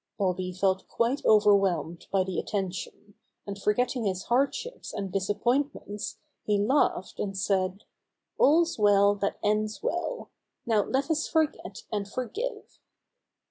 Bobby felt quite overwhelmed by the attention, and forgetting his hardships and disappointments he laughed, and said: "All's well that ends well. Now let us forget and forgive."